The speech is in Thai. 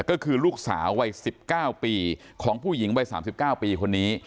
ก็คือลูกสาววัย๑๙ปีของผู้หญิงวัย๓๙ปีคนนี้